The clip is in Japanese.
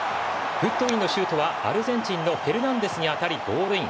グッドウィンのシュートはアルゼンチンのフェルナンデスに当たりゴールイン。